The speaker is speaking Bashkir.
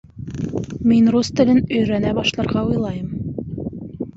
Мин рус телен өйрәнә башларға уйлайым.